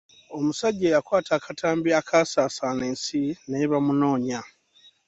Omusajja eyakwata akatambi akaasaasaana ensi naye bamunoonya.